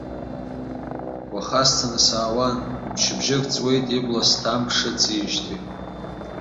Уаха сцаны саауан, мчыбжьык ҵуеит ибла сҭамԥшыцижьҭеи!